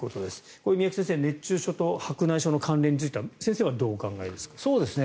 これ、三宅先生熱中症と白内障の関連性については先生はどうお考えですか？